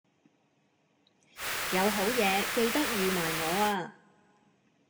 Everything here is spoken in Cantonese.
有好嘢記得預埋我呀